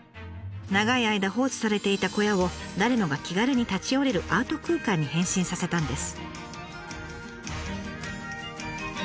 長い間放置されていた小屋を誰もが気軽に立ち寄れるアート空間に変身させたんです。